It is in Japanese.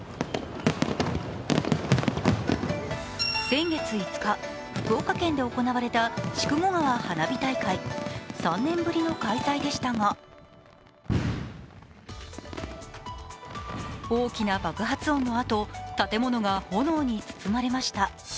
先月５日、福岡県で行われた筑後川花火大会３年ぶりの開催でしたが大きな爆発音のあと、建物が炎に包まれました。